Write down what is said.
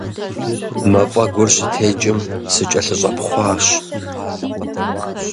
Мафӏэгур щытекӏым, сыкӏэлъыщӏэпхъуащ.